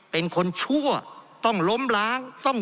เพราะเรามี๕ชั่วโมงครับท่านนึง